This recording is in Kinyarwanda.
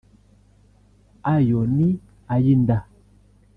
Ayo ni ay’inda